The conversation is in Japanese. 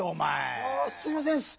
あすいませんっす！